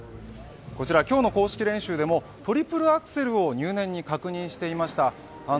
こちら今日の公式練習でもトリプルアクセルを入念に確認していました。